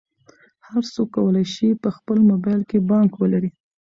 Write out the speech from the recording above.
هر څوک کولی شي په خپل موبایل کې بانک ولري.